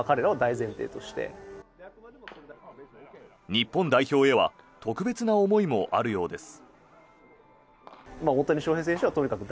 日本代表へは特別な思いもあるようです。